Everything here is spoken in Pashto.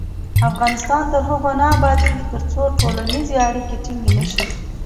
افغانستان تر هغو نه ابادیږي، ترڅو ټولنیزې اړیکې ټینګې نشي.